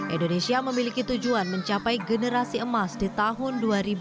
indonesia memiliki tujuan mencapai generasi emas di tahun dua ribu dua puluh